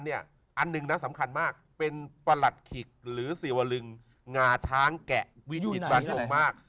อันหนึ่งนะสำคัญมากเป็นประหลัดขิกหรือสิวลึงงาช้างแกะวิจิตบรรยงมาก